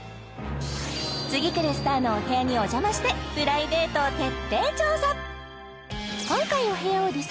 次くるスターのお部屋にお邪魔してプライベートを徹底調査！